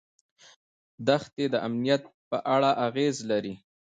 دښتې د امنیت په اړه اغېز لري.